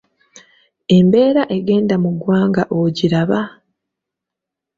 Embeera egenda mu ggwanga ogiraba?